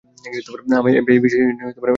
আমি এফবিআই বিশেষ agent Anson Clark বলছি।